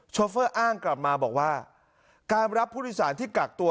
โชฟเฟอร์อ้างกลับมาบอกว่าการรับพุทธศาลที่กักตัว